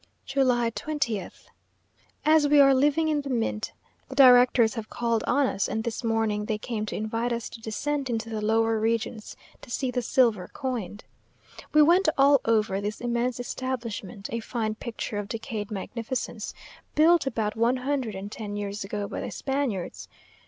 July 20th. As we are living in the mint, the directors have called on us; and this morning they came to invite us to descend into the lower regions to see the silver coined. We went all over this immense establishment, a fine picture of decayed magnificence, built about one hundred and ten years ago by the Spaniards.